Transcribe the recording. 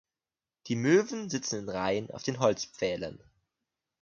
Die Möven sitzen in Reihen auf den Holzpfählen.